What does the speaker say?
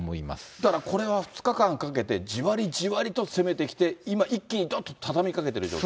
だからこれは２日間かけて、じわりじわりと攻めてきて、今、一気に畳みかけてる状態？